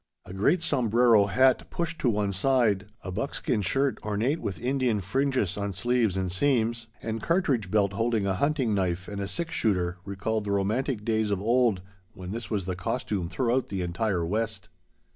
A great sombrero hat pushed to one side, a buckskin shirt ornate with Indian fringes on sleeves and seams, and cartridge belt holding a hunting knife and a six shooter, recalled the romantic days of old when this was the costume throughout the entire west.